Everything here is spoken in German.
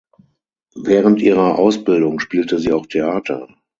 Während ihrer Ausbildung spielte sie auch Theater.